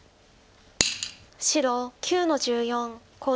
白９の十四コウ取り。